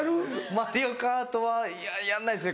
『マリオカート』はやんないですね